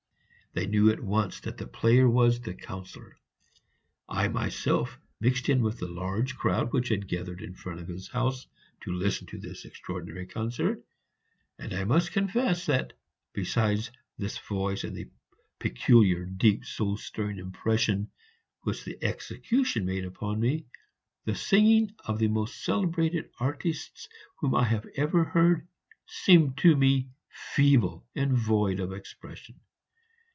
They knew at once that the player was the Councillor. I myself mixed in the large crowd which had gathered in front of his house to listen to this extraordinary concert; and I must confess that, besides this voice and the peculiar, deep, soul stirring impression which the execution made upon me, the singing of the most celebrated artistes whom I had ever heard seemed to me feeble and void of expression.